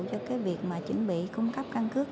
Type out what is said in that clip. cho việc chuẩn bị cung cấp căn cước